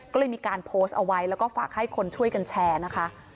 ก็เลยมีการโพสต์เอาไว้แล้วก็ฝากให้คนช่วยกันแชร์นะคะ